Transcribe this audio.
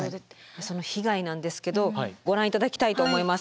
その被害なんですけどご覧いただきたいと思います。